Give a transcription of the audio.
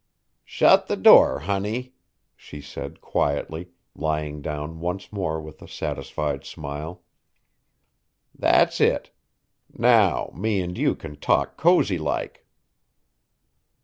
"Shut the door, honey," she said quietly, lying down once more with a satisfied smile. "That's it. Now me and you can talk cozy like."